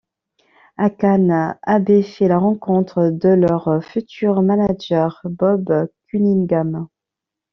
À Cannes, Haber fait la rencontre de leur futur manager, Bob Cunningham.